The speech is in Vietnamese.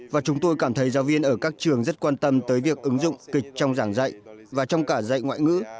và chúng tôi cảm thấy giáo viên ở các trường rất quan tâm tới việc ứng dụng kịch trong giảng dạy và trong cả dạy ngoại ngữ